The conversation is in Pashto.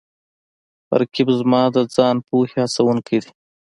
رقیب زما د ځان پوهې هڅوونکی دی